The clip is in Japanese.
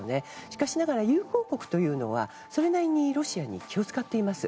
しかしながら友好国というのはそれなりにロシアに気を使っています。